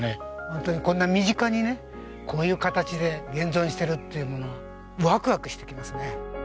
ホントにこんな身近にねこういう形で現存してるっていうのがワクワクしてきますね。